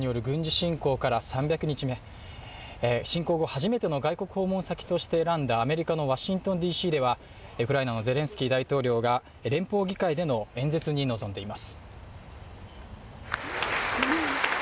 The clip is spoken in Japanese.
侵攻後初めての外国訪問先として選んだアメリカのワシントンＤＣでは、ウクライナのゼレンスキー大統領が連邦議会での演説に臨んでいます。